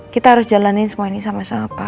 kita harus jalanin semua ini sama sama